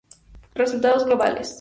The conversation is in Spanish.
Resultados globales,